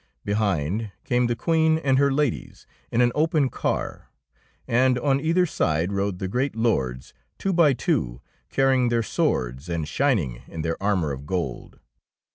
Behind came the Queen and her ladies in an open car, and on either side rode the great lords, two by two, carrying their swords and shining in their armour of gold.